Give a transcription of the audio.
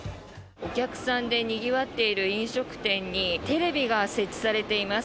お客さんでにぎわっている飲食店にテレビが設置されています。